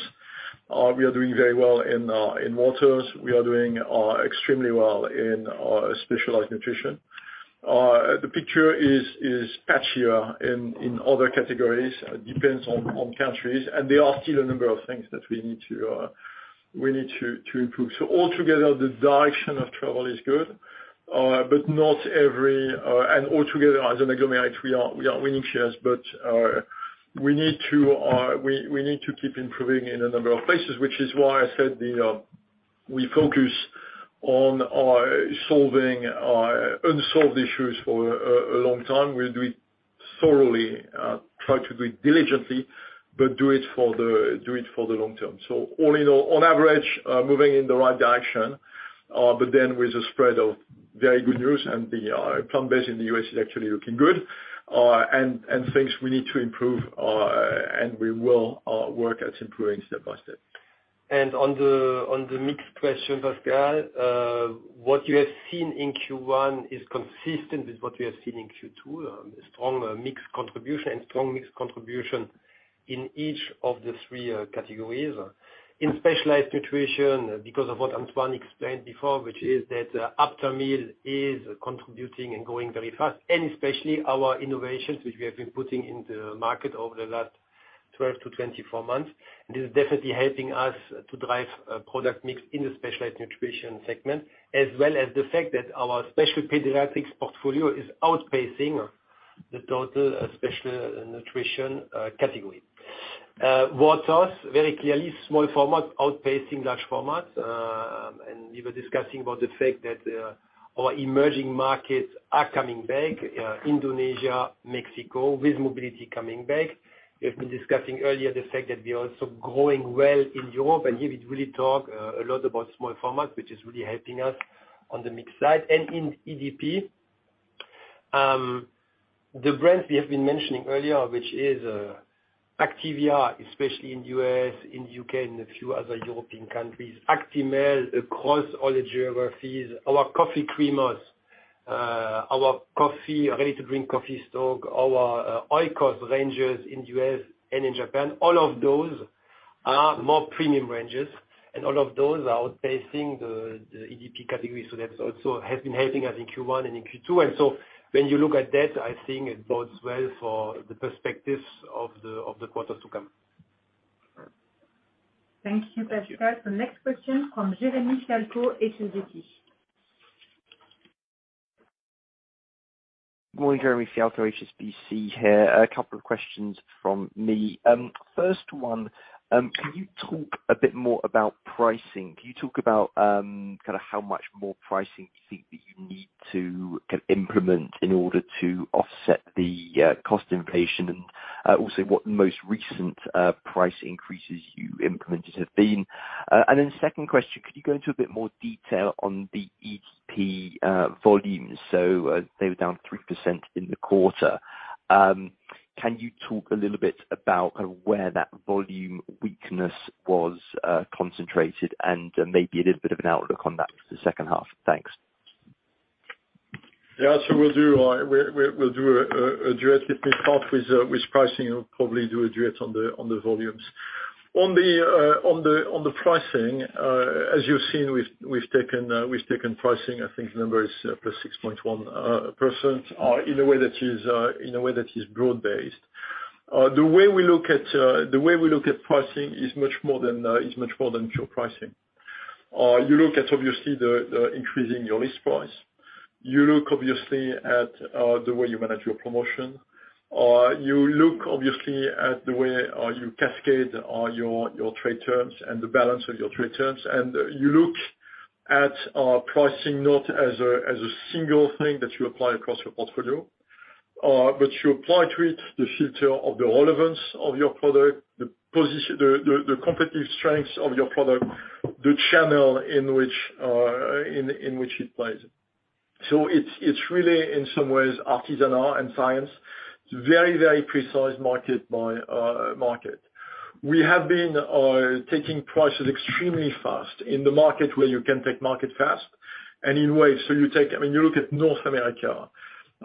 We are doing very well in Waters. We are doing extremely well in Specialized Nutrition. The picture is patchier in other categories, depends on countries, and there are still a number of things that we need to improve. Altogether, the direction of travel is good, but not every. Altogether, as an aggregate, we are winning shares, but we need to keep improving in a number of places, which is why I said we focus on solving unsolved issues for a long time. We'll do it thoroughly, try to do it diligently, but do it for the long term. All in all, on average, moving in the right direction, but then with a spread of very good news and the plant-based in the U.S. is actually looking good, and things we need to improve, and we will work at improving step by step. On the mix question, Pascal, what you have seen in Q1 is consistent with what we have seen in Q2, strong mix contribution in each of the three categories. In Specialized Nutrition, because of what Antoine explained before, which is that Aptamil is contributing and growing very fast, and especially our innovations, which we have been putting in the market over the last 12-24 months, it is definitely helping us to drive product mix in the Specialized Nutrition segment, as well as the fact that our special pediatrics portfolio is outpacing the total special nutrition category. Waters, very clearly small format outpacing large formats, and we were discussing about the fact that our emerging markets are coming back, Indonesia, Mexico, with mobility coming back. We have been discussing earlier the fact that we are also growing well in Europe, and here we really talk a lot about small formats, which is really helping us on the mix side. In EDP, the brands we have been mentioning earlier, which is Activia, especially in U.S., in the U.K., and a few other European countries, Actimel across all the geographies, our coffee creamers, our coffee, Ready-to-Drink coffee STōK, our Oikos ranges in U.S. and in Japan, all of those are more premium ranges, and all of those are outpacing the EDP category. That also has been helping us in Q1 and in Q2. When you look at that, I think it bodes well for the perspectives of the quarters to come. Thank you, Pascal. The next question from Jeremy Fialko, HSBC. Morning, Jeremy Fialko, HSBC here. A couple of questions from me. First one, can you talk a bit more about pricing? Can you talk about kinda how much more pricing you think that you need to implement in order to offset the cost inflation? Also, what most recent price increases you implemented have been? The second question, could you go into a bit more detail on the EDP volumes? They were down 3% in the quarter. Can you talk a little bit about where that volume weakness was concentrated and maybe a little bit of an outlook on that for the second half? Thanks. Yeah. We'll do a direct 50/50 with pricing and probably do a direct on the volumes. On the pricing, as you've seen, we've taken pricing, I think the number is +6.1%, in a way that is broad-based. The way we look at pricing is much more than pure pricing. You look at obviously the increase in your list price. You look obviously at the way you manage your promotion. You look obviously at the way you cascade your trade terms and the balance of your trade terms. You look at pricing not as a single thing that you apply across your portfolio, but you apply to it the filter of the relevance of your product, the competitive strengths of your product, the channel in which it plays. It's really, in some ways, artisanal and a science. It's very precise, market by market. We have been taking prices extremely fast in the market where you can take prices fast and in ways. I mean, you look at North America.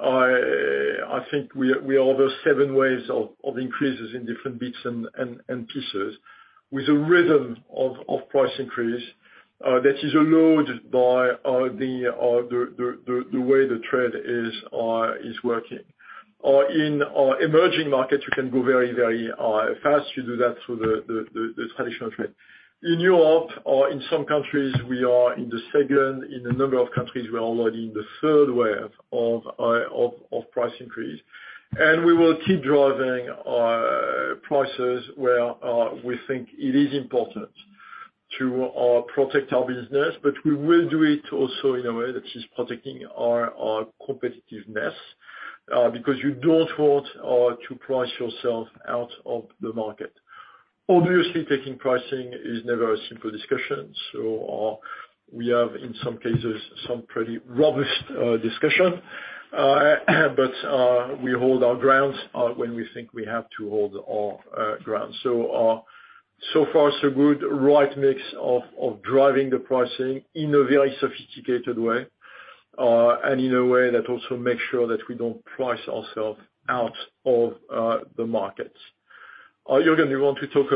I think we are over seven waves of increases in different bits and pieces with a rhythm of price increase that is allowed by the way the trade is working. In emerging markets, you can go very fast. You do that through the traditional trade. In Europe, in some countries we are in the second, in a number of countries we are already in the third wave of price increase. We will keep driving prices where we think it is important to protect our business, but we will do it also in a way that is protecting our competitiveness, because you don't want to price yourself out of the market. Obviously, taking pricing is never a simple discussion, so we have in some cases some pretty robust discussion, but we hold our grounds when we think we have to hold our ground. Far so good, right mix of driving the pricing in a very sophisticated way, and in a way that also makes sure that we don't price ourselves out of the markets. Juergen, do you want to talk.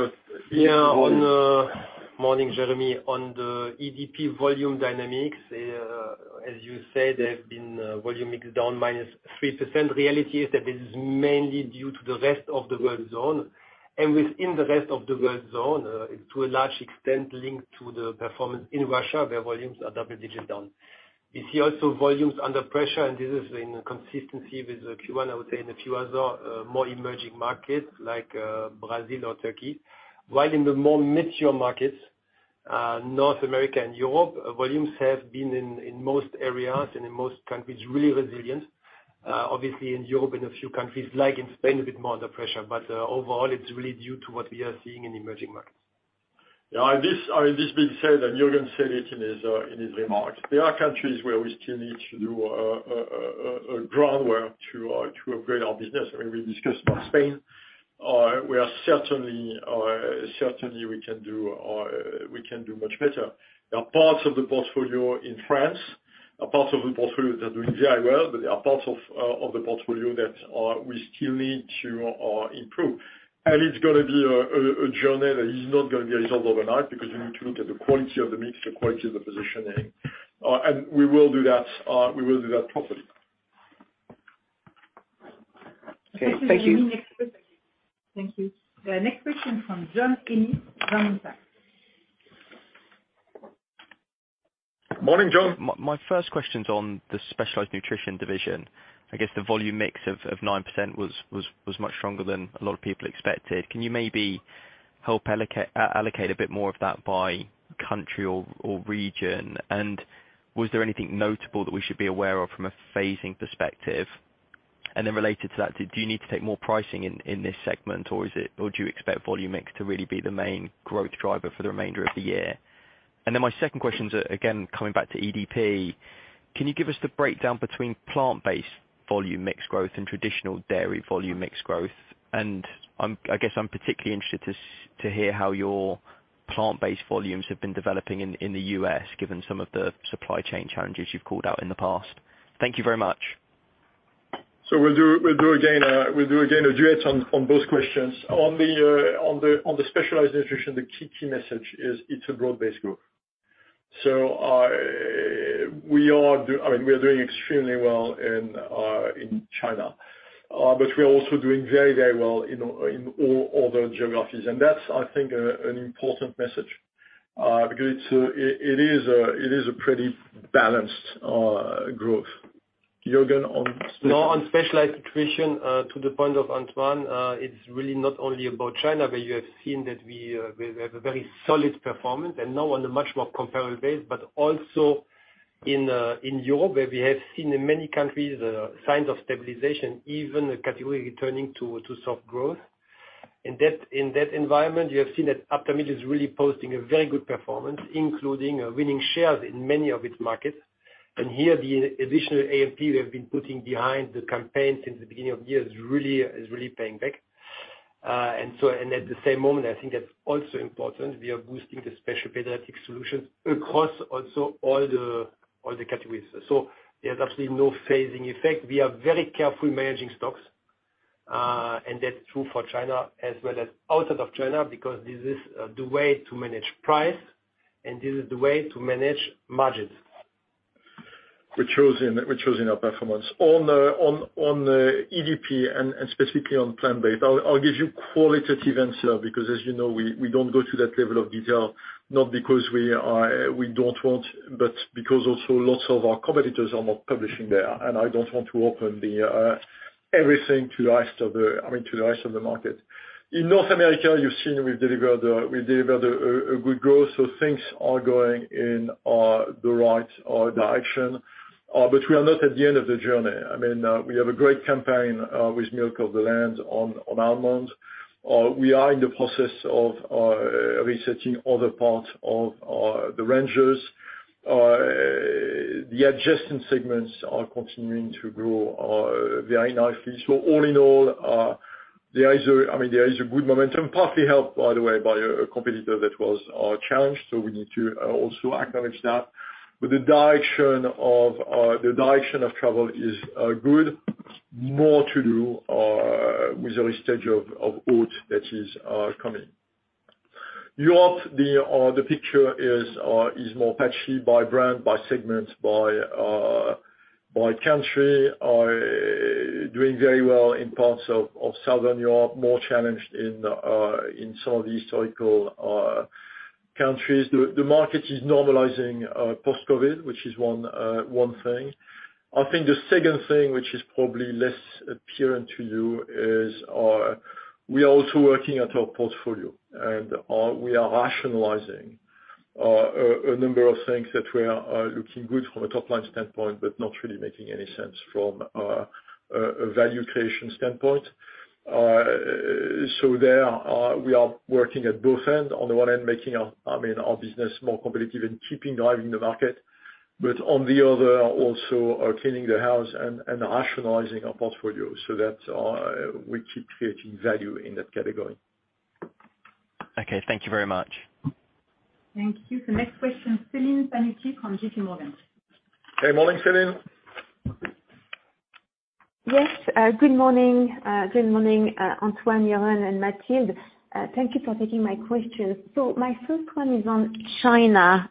Morning, Jeremy. On the EDP volume dynamics, as you said, they've been volume mix down -3%. Reality is that this is mainly due to the rest of the world zone, and within the rest of the world zone, to a large extent linked to the performance in Russia, where volumes are double-digit down. You see also volumes under pressure, and this is in consistency with Q1, I would say in a few other more emerging markets like Brazil or Turkey. While in the more mature markets, North America and Europe, volumes have been in most areas and in most countries really resilient. Obviously in Europe, in a few countries, like in Spain, a bit more under pressure. Overall, it's really due to what we are seeing in emerging markets. This being said, Juergen said it in his remarks, there are countries where we still need to do groundwork to upgrade our business. I mean, we discussed about Spain. We can certainly do much better. There are parts of the portfolio in France, parts of the portfolio that are doing very well, but there are parts of the portfolio that we still need to improve. It's gonna be a journey that is not gonna be resolved overnight, because you need to look at the quality of the mix, the quality of the positioning. We will do that properly. Okay, thank you. Thank you. The next question from John Ennis, Goldman Sachs. Morning, John. My first question's on the Specialized Nutrition division. I guess the volume mix of 9% was much stronger than a lot of people expected. Can you maybe help allocate a bit more of that by country or region? Was there anything notable that we should be aware of from a phasing perspective? Then related to that, do you need to take more pricing in this segment, or is it or do you expect volume mix to really be the main growth driver for the remainder of the year? Then my second question's, again, coming back to EDP, can you give us the breakdown between plant-based volume mix growth and traditional dairy volume mix growth? I'm, I guess I'm particularly interested to hear how your plant-based volumes have been developing in the U.S., given some of the supply chain challenges you've called out in the past. Thank you very much. We'll do again a duet on both questions. On the Specialized Nutrition, the key message is it's a broad-based group. We are doing extremely well in China, but we are also doing very, very well in all other geographies. That's, I think, an important message because it is a pretty balanced growth. Juergen, on specialized. No, on Specialized Nutrition, to the point of Antoine, it's really not only about China, but you have seen that we have a very solid performance and now on a much more comparable base, but also in Europe, where we have seen in many countries signs of stabilization, even a category returning to soft growth. In that environment, you have seen that Aptamil is really posting a very good performance, including winning shares in many of its markets. Here, the additional A&P we have been putting behind the campaign since the beginning of year is really paying back. At the same moment, I think that's also important, we are boosting the special pediatric solutions across also all the categories. There's absolutely no phasing effect. We are very careful managing stocks, and that's true for China as well as outside of China, because this is the way to manage price, and this is the way to manage margins. We're choosing our performance. On the EDP and specifically on plant-based, I'll give you qualitative answer because as you know, we don't go to that level of detail, not because we don't want, but because also lots of our competitors are not publishing there, and I don't want to open everything to the rest of the market. In North America, you've seen we've delivered a good growth, so things are going in the right direction, but we are not at the end of the journey. I mean, we have a great campaign with Milk of the Land on almonds. We are in the process of researching other parts of the ranges. The adjacent segments are continuing to grow very nicely. All in all, I mean, there is a good momentum, partly helped by the way by a competitor that was challenged, so we need to also acknowledge that. The direction of travel is good. More to do with the restage of oat that is coming. Europe, the picture is more patchy by brand, by segment, by country. Doing very well in parts of Southern Europe, more challenged in some of the historical countries. The market is normalizing post-COVID, which is one thing. I think the second thing, which is probably less apparent to you, is we are also working at our portfolio and we are rationalizing a number of things that were looking good from a top-line standpoint, but not really making any sense from a value creation standpoint. There, we are working at both end. On the one end, making our, I mean, our business more competitive and keeping driving the market. On the other, also cleaning the house and rationalizing our portfolio so that we keep creating value in that category. Okay, thank you very much. Thank you. The next question, Celine Pannuti from J.P. Morgan. Good morning, Celine. Yes, good morning. Good morning, Antoine, Juergen, and Mathilde. Thank you for taking my questions. My first one is on China,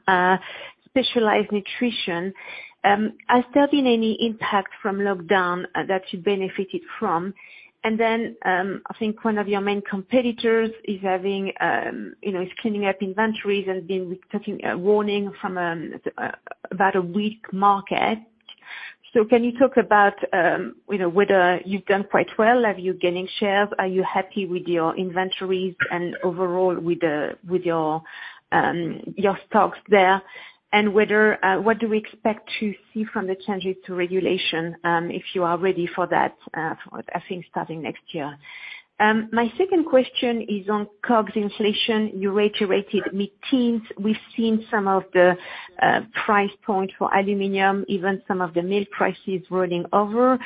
Specialized Nutrition. Is there any impact from lockdown that you benefited from. Then, I think one of your main competitors is cleaning up inventories and been taking a warning about a weak market. Can you talk about whether you've done quite well? Have you gaining shares? Are you happy with your inventories and overall with your stocks there? Whether what do we expect to see from the changes to regulation, if you are ready for that, I think starting next year. My second question is on COGS inflation, you reiterated mid-teens. We've seen some of the price points for aluminum, even some of the milk prices rolling over.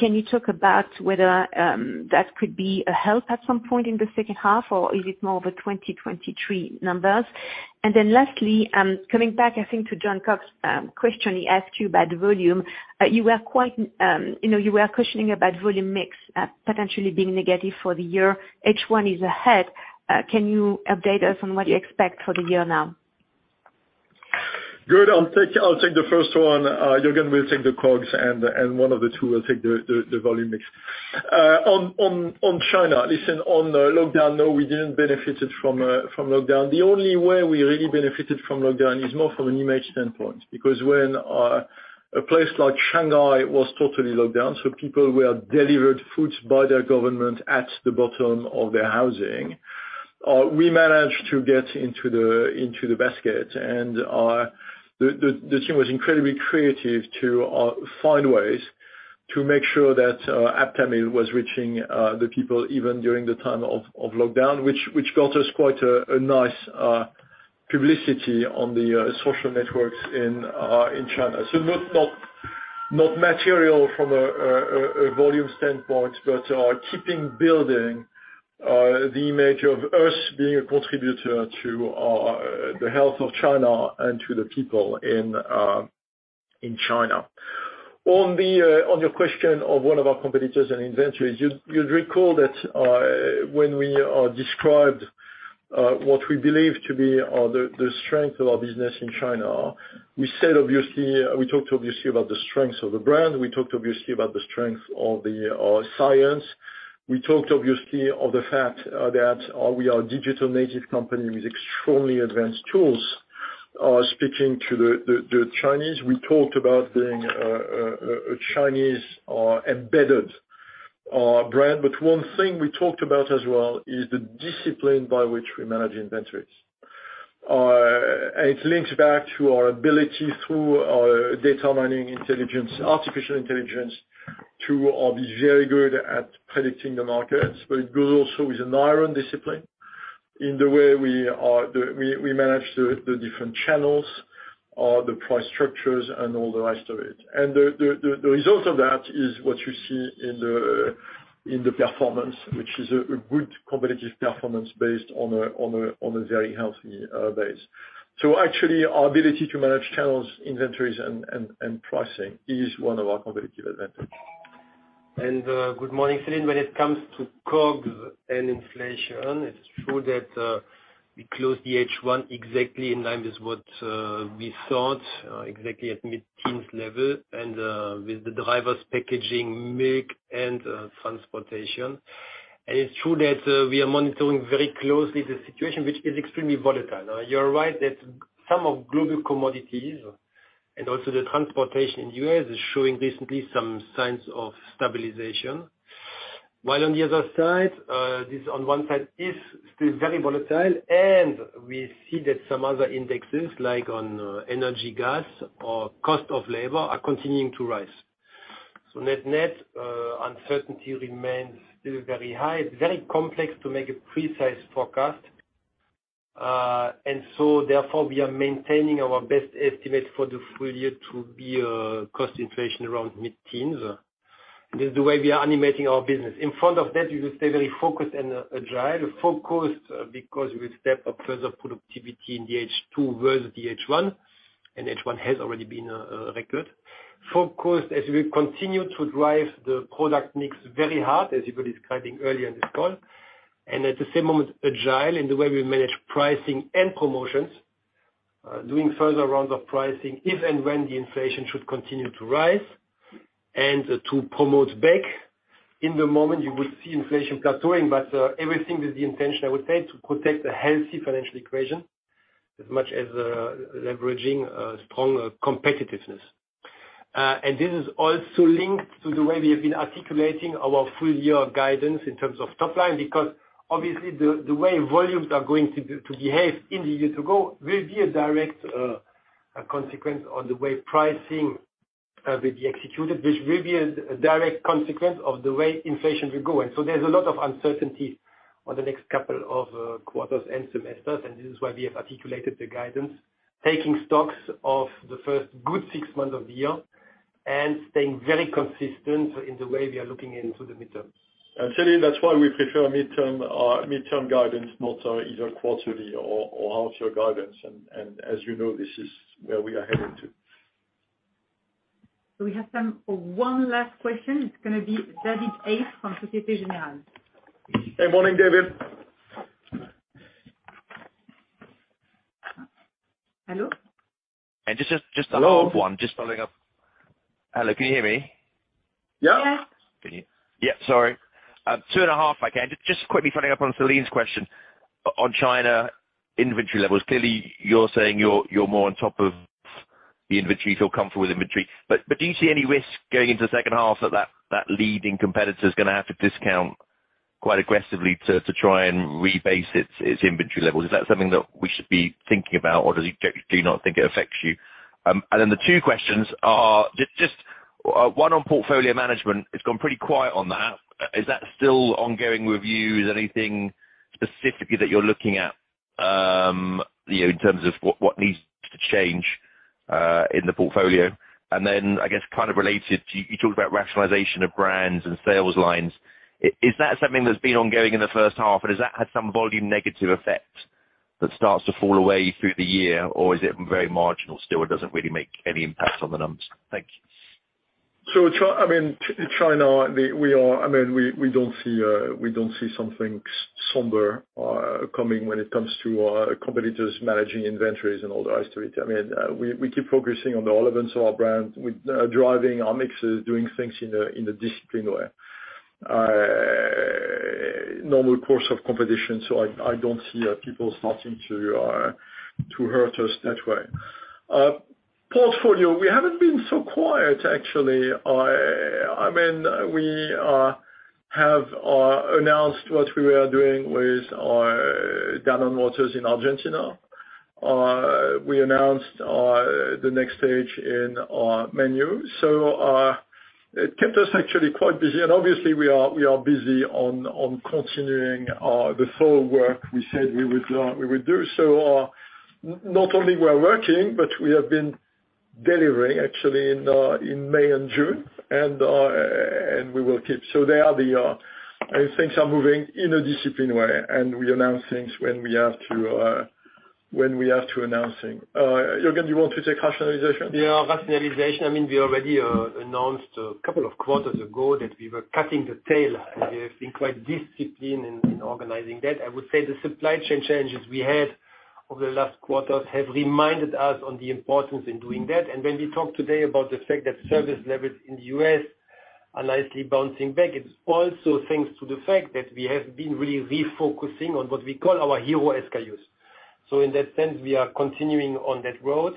Can you talk about whether that could be a help at some point in the second half, or is it more of a 2023 numbers? Lastly, coming back, I think, to Jon Cox question he asked you about volume. You were quite, you know, you were questioning about volume mix potentially being negative for the year. H1 is ahead. Can you update us on what you expect for the year now? Good. I'll take the first one. Juergen will take the COGS, and one of the two will take the volume mix. On China, on the lockdown, no, we didn't benefit from lockdown. The only way we really benefited from lockdown is more from an image standpoint, because when a place like Shanghai was totally locked down, people were delivered foods by their government at the bottom of their housing, we managed to get into the basket. The team was incredibly creative to find ways to make sure that Aptamil was reaching the people even during the time of lockdown, which got us quite a nice publicity on the social networks in China. Not material from a volume standpoint, but keep building the image of us being a contributor to the health of China and to the people in China. On your question of one of our competitors and inventories, you'll recall that when we described what we believe to be the strength of our business in China, we said obviously, we talked obviously about the strengths of the brand, we talked obviously about the strength of the science. We talked obviously of the fact that we are a digital native company with extremely advanced tools. Speaking to the Chinese, we talked about being a Chinese embedded brand. One thing we talked about as well is the discipline by which we manage inventories. It links back to our ability through our data mining intelligence, artificial intelligence, to be very good at predicting the markets. It goes also with an iron discipline in the way we manage the different channels, the price structures and all the rest of it. The result of that is what you see in the performance, which is a good competitive performance based on a very healthy base. Actually, our ability to manage channels, inventories and pricing is one of our competitive advantages. Good morning, Celine. When it comes to COGS and inflation, it's true that we closed the H1 exactly in line with what we thought, exactly at mid-teens level and with the drivers packaging milk and transportation. It's true that we are monitoring very closely the situation which is extremely volatile. Now you're right that some of global commodities and also the transportation in U.S. is showing recently some signs of stabilization. While on the other side, this on one side is still very volatile, and we see that some other indexes like on energy gas or cost of labor are continuing to rise. Net-net, uncertainty remains still very high. It's very complex to make a precise forecast, and so therefore we are maintaining our best estimate for the full year to be cost inflation around mid-teens. This is the way we are animating our business. In front of that, we will stay very focused and agile. Focused because we will step up further productivity in the H2 versus the H1, and H1 has already been record. Focused as we continue to drive the product mix very hard, as you were describing earlier in this call. At the same moment, agile in the way we manage pricing and promotions, doing further rounds of pricing if and when the inflation should continue to rise and to promote back. In the moment, you will see inflation plateauing, but everything with the intention, I would say, to protect a healthy financial equation as much as leveraging a strong competitiveness. This is also linked to the way we have been articulating our full-year guidance in terms of top line, because obviously the way volumes are going to behave in the year to go will be a direct consequence on the way pricing will be executed, which will be a direct consequence of the way inflation will go. There's a lot of uncertainty on the next couple of quarters and semesters, and this is why we have articulated the guidance, taking stock of the first good six months of the year. Staying very consistent in the way we are looking into the midterm. Celine, that's why we prefer medium-term guidance, not either quarterly or outlook guidance. As you know, this is where we are headed to. We have one last question. It's gonna be David Hayes from Societe Generale. Good morning, David. Hello? Just. Hello. One. Just following up. Hello, can you hear me? Yeah. Yeah. Two and a half I can. Just quickly following up on Celine's question. On China inventory levels, clearly you're saying you're more on top of the inventory, feel comfortable with inventory. But do you see any risk going into the second half that that leading competitor is gonna have to discount quite aggressively to try and rebase its inventory levels? Is that something that we should be thinking about or do you not think it affects you? And then the two questions are just one on portfolio management. It's gone pretty quiet on that. Is that still ongoing review? Is there anything specifically that you're looking at, you know, in terms of what needs to change in the portfolio? I guess kind of related to you talked about rationalization of brands and sales lines. Is that something that's been ongoing in the first half, or has that had some volume negative effect that starts to fall away through the year? Or is it very marginal still, it doesn't really make any impact on the numbers? Thank you. China, we don't see something somber coming when it comes to our competitors managing inventories and all the rest of it. I mean, we keep focusing on the relevance of our brands with driving our mixes, doing things in a disciplined way. Normal course of competition, so I don't see people starting to hurt us that way. Portfolio, we haven't been so quiet actually. I mean, we have announced what we were doing with our Danone Waters in Argentina. We announced the next stage in our Mengniu. It kept us actually quite busy. Obviously we are busy on continuing the floor work we said we would do. Not only we're working, but we have been delivering actually in May and June, and we will keep. Things are moving in a disciplined way, and we announce things when we have to announce things. Juergen, do you want to take rationalization? Yeah, rationalization, I mean, we already announced a couple of quarters ago that we were cutting the tail, and we have been quite disciplined in organizing that. I would say the supply chain changes we had over the last quarters have reminded us on the importance in doing that. When we talk today about the fact that service levels in the U.S. are nicely bouncing back, it's also thanks to the fact that we have been really refocusing on what we call our hero SKUs. In that sense, we are continuing on that road,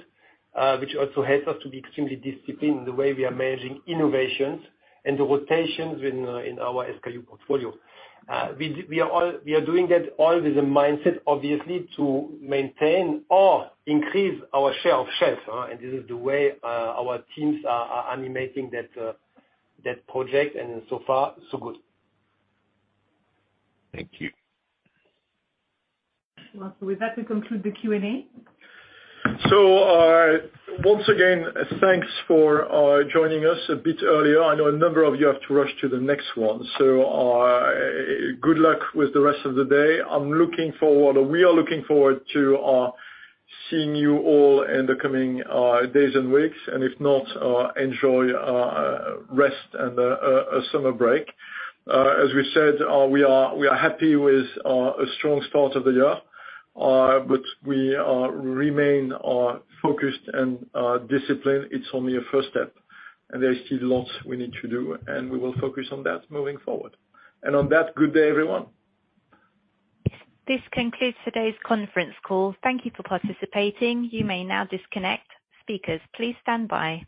which also helps us to be extremely disciplined in the way we are managing innovations and the rotations in our SKU portfolio. We are doing that all with a mindset obviously to maintain or increase our share of shelf, and this is the way our teams are animating that project, and so far so good. Thank you. Well, with that we conclude the Q&A. Once again, thanks for joining us a bit earlier. I know a number of you have to rush to the next one. Good luck with the rest of the day. We are looking forward to seeing you all in the coming days and weeks, and if not, enjoy rest and a summer break. As we said, we are happy with a strong start of the year, but we remain focused and disciplined. It's only a first step, and there's still lots we need to do, and we will focus on that moving forward. On that, good day, everyone. This concludes today's conference call. Thank you for participating. You may now disconnect. Speakers, please stand by.